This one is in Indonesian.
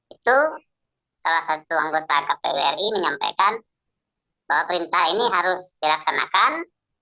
itu salah satu anggota kpu ri menyampaikan bahwa perintah ini harus dilaksanakan